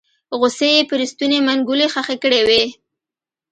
غصې يې پر ستوني منګولې خښې کړې وې